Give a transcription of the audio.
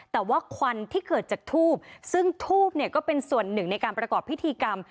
แต่ว่าควันที่เกิดจากทูบซึ่งทูบเนี่ยก็เป็นส่วนหนึ่งในการประกอบพิธีกรรม